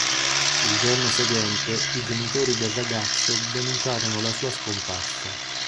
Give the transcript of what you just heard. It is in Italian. Il giorno seguente i genitori del ragazzo denunciarono la sua scomparsa.